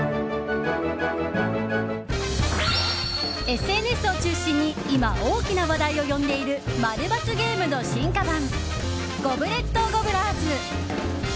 ＳＮＳを中心に今大きな話題を呼んでいる○×ゲームの進化版ゴブレットゴブラーズ。